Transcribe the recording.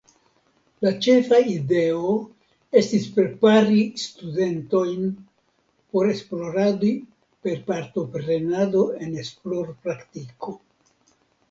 La ĉefa ideo estis prepari studentojn por esplorado per partoprenado en esplorpraktiko.